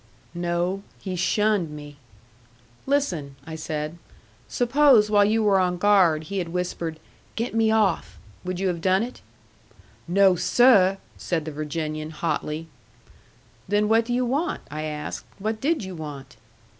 "No. He shunned me." "Listen," I said. "Suppose while you were on guard he had whispered, 'Get me off' would you have done it?" "No, sir!" said the Virginian, hotly. "Then what do you want?" I asked. "What did you want?"